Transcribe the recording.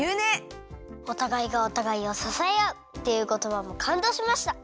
おたがいがおたがいをささえあうっていうことばもかんどうしました。